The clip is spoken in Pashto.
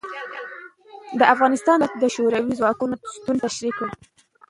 د افغانستان دولت د شوروي ځواکونو شتون تشرېح کړ.